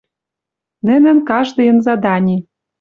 Нӹнӹн каждыйын задани